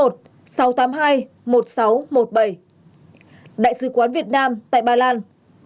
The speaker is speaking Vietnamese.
đại sứ quán việt nam tại bà lan